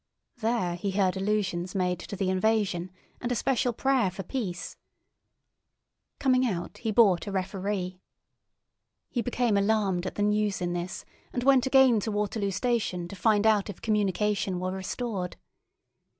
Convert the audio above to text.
There he heard allusions made to the invasion, and a special prayer for peace. Coming out, he bought a Referee. He became alarmed at the news in this, and went again to Waterloo station to find out if communication were restored.